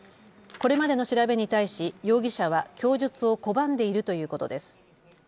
これまでの調べに対し容疑者は供述を拒んでいるということです。